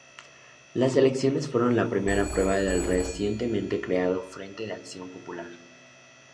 Las elecciones fueron la primera prueba para el recientemente creado Frente de Acción Popular.